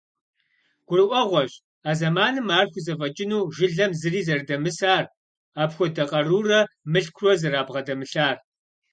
Гурыӏуэгъуэщ а зэманым ар хузэфӏэкӏыну жылэм зыри зэрыдэмысар, апхуэдэ къарурэ мылъкурэ зэрабгъэдэмылъар.